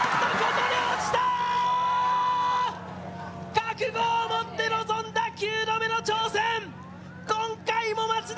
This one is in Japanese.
覚悟をもって臨んだ９度目の挑戦、今回も松田。